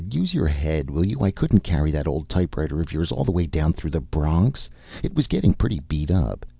"Use your head, will you? I couldn't carry that old typewriter of yours all the way down through the Bronx. It was getting pretty beat up.